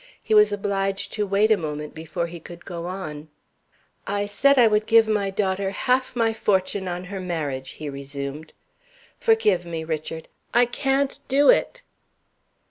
He was obliged to wait a moment before he could go on. "I said I would give my daughter half my fortune on her marriage," he resumed. "Forgive me, Richard. I can't do it!"